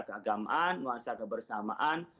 keagamaan nuansa kebersamaan